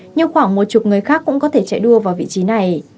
nhưng khoảng một chục người khác cũng có thể chạy đua vào vị trí này